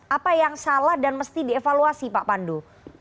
apa yang salah dan mesti dievaluasi pak pandu